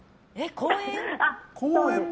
公園？